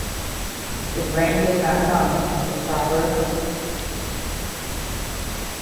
If rain does not come at the proper